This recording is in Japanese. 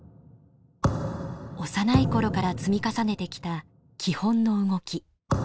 幼い頃から積み重ねてきた基本の動き。